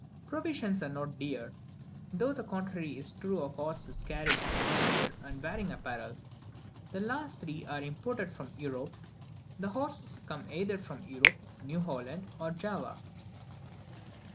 Provisions are not dear, though the contrary is true of horses, carriages, furniture, and wearing apparel. The last three are imported from Europe; the horses come either from Europe, New Holland, or Java.